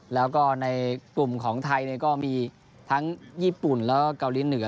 แล้วก็ในกลุ่มของไทยก็มีทั้งญี่ปุ่นแล้วก็เกาหลีเหนือ